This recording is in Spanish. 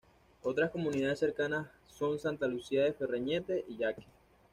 Otras comunidades cercanas son Santa Lucía de Ferreñafe y Yaque.